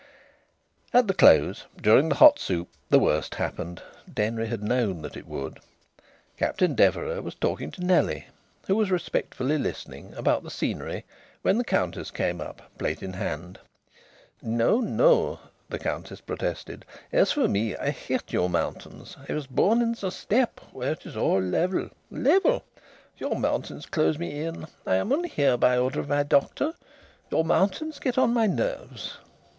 At the close, during the hot soup, the worst happened. Denry had known that it would. Captain Deverax was talking to Nellie, who was respectfully listening, about the scenery, when the Countess came up, plate in hand. "No, no," the Countess protested. "As for me, I hate your mountains. I was born in the steppe where it is all level level! Your mountains close me in. I am only here by order of my doctor. Your mountains get on my nerves."